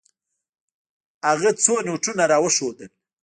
هغه څو نوټونه راوښودل.